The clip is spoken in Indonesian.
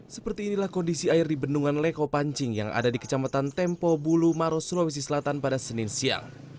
seperti inilah kondisi air di bendungan leko pancing yang ada di kecamatan tempo bulu maros sulawesi selatan pada senin siang